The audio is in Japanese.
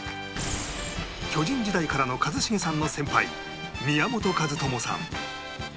巨人時代からの一茂さんの先輩宮本和知さん